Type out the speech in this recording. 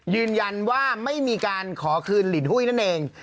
ยืนยันว่าไม่มีการขอคืนลินหุ้ยนั่นเอง